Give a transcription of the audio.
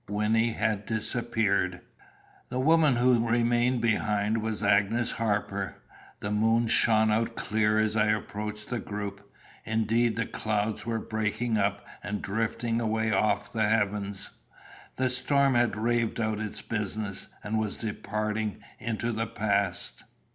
Wynnie had disappeared. The woman who remained behind was Agnes Harper. The moon shone out clear as I approached the group; indeed, the clouds were breaking up and drifting away off the heavens. The storm had raved out its business, and was departing into the past.